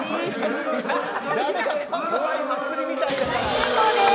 成功です。